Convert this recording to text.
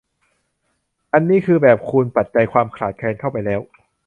อันนี้คือแบบคูณปัจจัยความขาดแคลนเข้าไปแล้ว